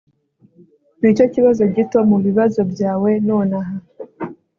Nicyo kibazo gito mubibazo byawe nonaha